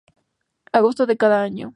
Agosto de cada año